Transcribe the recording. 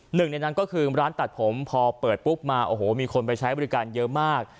หนึ่งในนั้นก็คือร้านตัดผมพอเปิดปุ๊บมาโอ้โหมีคนไปใช้บริการเยอะมาก